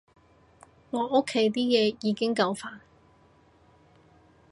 我屋企啲嘢已經夠煩